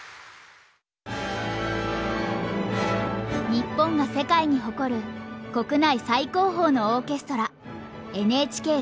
日本が世界に誇る国内最高峰のオーケストラＮＨＫ交響楽団。